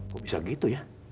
kok bisa gitu ya